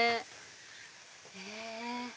へぇ！